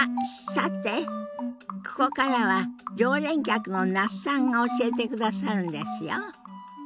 さてここからは常連客の那須さんが教えてくださるんですよ。